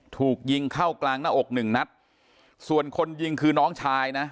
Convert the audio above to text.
ถูกยิงเข้ากลางหน้าอกหนึ่งนัดส่วนคนยิงคือน้องชายนะ